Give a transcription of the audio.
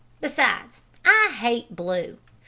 Besides, I hate blue.